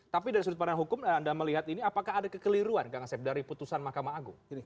tapi dari sudut pandang hukum anda melihat ini apakah ada kekeliruan kang asep dari putusan mahkamah agung